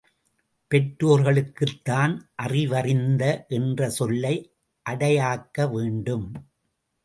பெற்றோர்களுக்குத்தான் அறிவறிந்த என்ற சொல்லை அடையாக்க வேண்டும்.